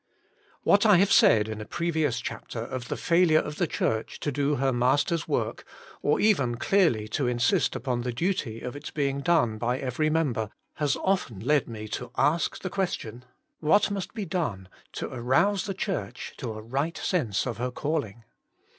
WHAT I have said in a previous chap ter of the failure of the Church to do her Master's work, or even clearly to in sist upon the duty of its being done by every member has often led me to ask the ques tion, What must be done to arouse the Church to a right sense of her calling